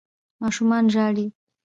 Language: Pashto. ماشومان ژاړي